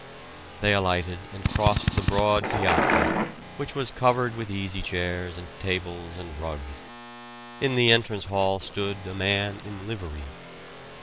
They alighted and crossed the broad piazza, which was covered with easy chairs and tables and rugs. In the entrance hall stood a man in livery.